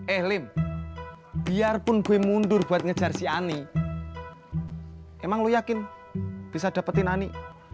ehlim biarpun gue mundur buat ngejar si ani emang lo yakin bisa dapetin ani